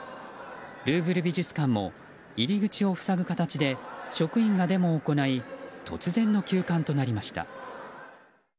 ルーブル美術館も入り口を塞ぐ形で職員がデモを行い突然の休館となりました。